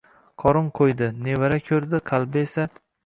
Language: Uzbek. Qorin qo‘ydi, nevara ko‘rdi. Qalbi esa...